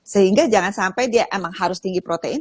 sehingga jangan sampai dia emang harus tinggi protein